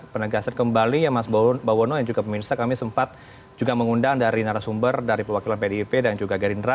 penegasan kembali ya mas bawono yang juga pemirsa kami sempat juga mengundang dari narasumber dari perwakilan pdip dan juga gerindra